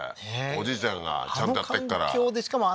おじいちゃんがちゃんとやってっから。